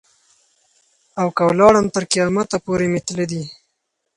او که ولاړم تر قیامت پوري مي تله دي.